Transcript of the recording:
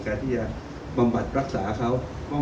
กระตุ้ยบำรับรักษาเขา